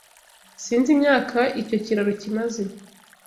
Sinzi imyaka icyo kiraro kimaze.